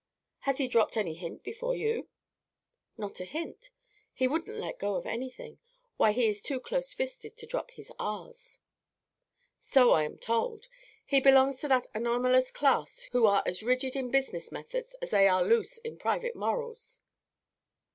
"Has he dropped any hint before you?" "Not a hint. He wouldn't let go of anything. Why, he is too close fisted to drop his r's." "So I am told. He belongs to that anomalous class who are as rigid in business methods as they are loose in private morals."